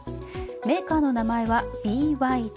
メーカーの名前はＢＹＤ。